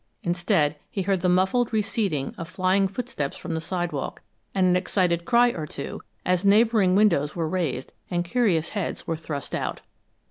Instead, he heard the muffled receding of flying footsteps from the sidewalk, and an excited cry or two as neighboring windows were raised and curious heads were thrust out.